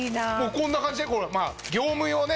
こんな感じで業務用ね。